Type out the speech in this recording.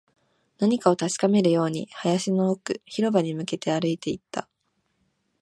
何かを確かめるように、林の奥、広場に向けて歩いていった